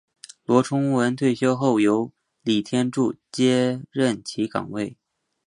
罗崇文退休后由李天柱接任其岗位。